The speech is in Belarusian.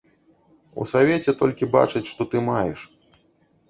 У савеце толькі бачаць, што ты маеш.